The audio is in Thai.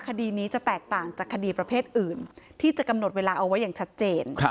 คดีนี้จะแตกต่างจากคดีประเภทอื่นที่จะกำหนดเวลาเอาไว้อย่างชัดเจน